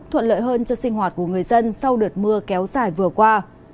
thuận lợi hơn cho sinh hoạt của người dân sau đợt mưa kéo dài vừa qua